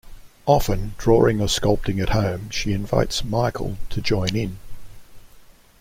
Often drawing or sculpting at home, she invites Michael to join in.